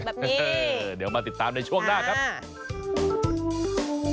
เออเดี๋ยวมาติดตามในช่วงหน้าครับ